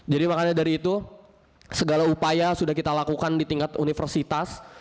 jadi makanya dari itu segala upaya sudah kita lakukan di tingkat universitas